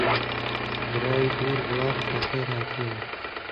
برای دوور وڵات بەخێر هاتیەوە!